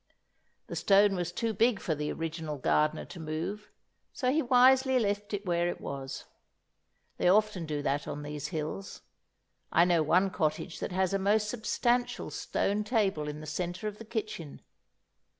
The stone was too big for the original gardener to move, so he wisely left it where it was. They often do that on these hills. I know one cottage that has a most substantial stone table in the centre of the kitchen.